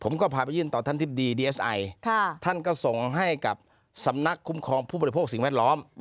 ผมก็พาไปยื่นต่อท่านทิบดีดีเอสไอท่านก็ส่งให้กับสำนักคุ้มครองผู้บริโภคสิ่งแวดล้อม